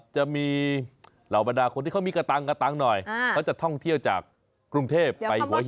จะมีเหล่าบรรดาคนที่เขามีกระตังกระตังหน่อยเขาจะท่องเที่ยวจากกรุงเทพไปหัวหิน